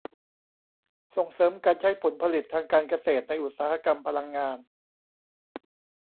ส่งเสริมการใช้ผลผลิตทางการเกษตรในอุตสาหกรรมพลังงาน